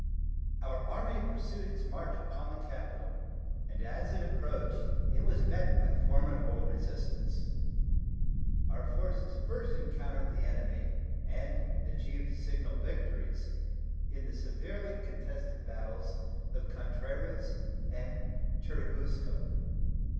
Our Army pursued its march upon the capital, and as it approached it was met by formidable resistance. Our forces first encountered the enemy, and achieved signal victories in the severely contested battles of Contreras and Churubusco.